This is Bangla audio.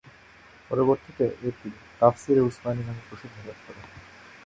পরবর্তীতে এটি "তাফসীরে উসমানী" নামে প্রসিদ্ধি লাভ করে।